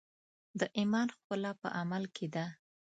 د ایمان ښکلا په عمل کې ده.